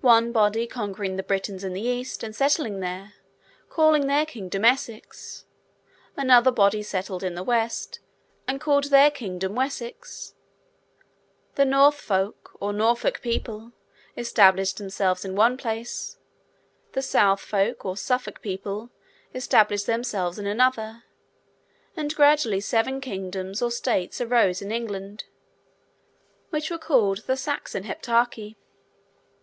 One body, conquering the Britons in the East, and settling there, called their kingdom Essex; another body settled in the West, and called their kingdom Wessex; the Northfolk, or Norfolk people, established themselves in one place; the Southfolk, or Suffolk people, established themselves in another; and gradually seven kingdoms or states arose in England, which were called the Saxon Heptarchy.